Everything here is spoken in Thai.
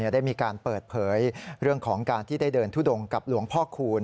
ได้มีการเปิดเผยเรื่องของการที่ได้เดินทุดงกับหลวงพ่อคูณ